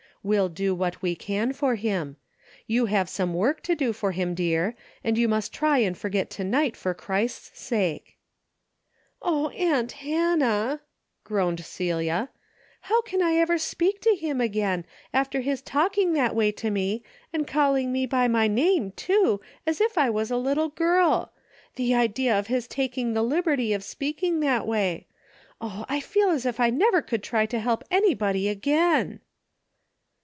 We'll do what we can for him. You have some work to do for him, dear, and you must try and for get to night for Christ's sake !"" Oh, aunt Hannah !" groaned Celia, " how can I ever speak to him again, after his talking that way to me, and calling me by my name, too, as if I was a little girl ? The idea of his taking the liberty of speaking that way. Oh, I feel as if I never could try to help anybody again."